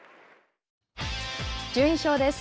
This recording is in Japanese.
順位表です。